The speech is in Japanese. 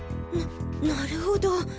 ななるほど。